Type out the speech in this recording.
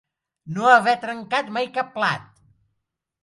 No haver trencat mai cap plat.